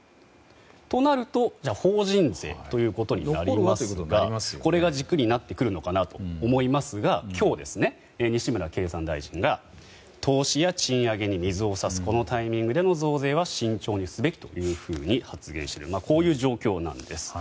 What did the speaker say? となると、法人税となりますがこれが軸になってくるのかなと思いますが今日、西村経産大臣が投資や賃上げに水を差すこのタイミングでの増税は慎重にすべきと発言しているこういう状況なんです。